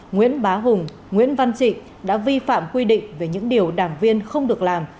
nguyễn bá hùng nguyễn văn trịnh đã vi phạm quy định về những điều đảng viên không được làm